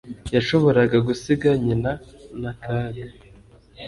Yashoboraga gusiga nyina nta kaga